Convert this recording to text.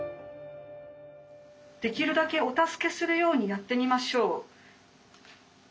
「できるだけお助けするようにやってみましょう」。